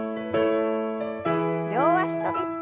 両脚跳び。